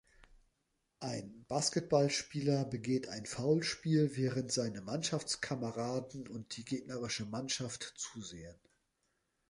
Ein Basketballspieler begeht ein Foulspiel, während seine Mannschaftskameraden und die gegnerische Mannschaft zusehen.